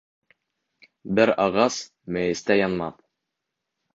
Бер ағас мейестә янмаҫ